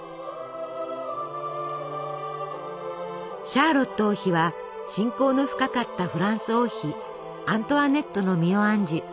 シャーロット王妃は親交の深かったフランス王妃アントワネットの身を案じ